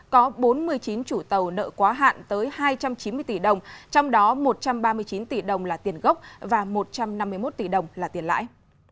có bốn mươi chín chủ tàu nợ quá hạn tới hai trăm chín mươi tỷ đồng trong đó một trăm ba mươi chín tỷ đồng là tiền gốc và một trăm năm mươi một tỷ đồng là tiền lãi